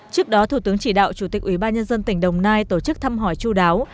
trước đó thủ tướng chỉ đạo chủ tịch ủy ban nhân dân tỉnh đồng nai tổ chức thăm hỏi chú đáo